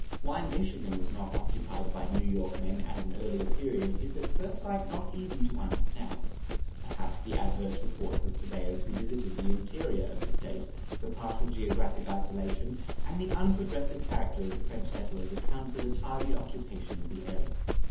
Why Michigan was not occupied by New York men at an earlier period is at first sight not easy to understand. Perhaps the adverse reports of surveyors who visited the interior of the State, the partial geographical isolation, and the unprogressive character of the French settlers account for the tardy occupation of the area.